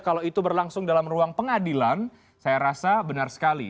kalau itu berlangsung dalam ruang pengadilan saya rasa benar sekali